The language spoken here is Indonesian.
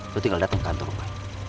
lo tinggal dateng ke kantor gue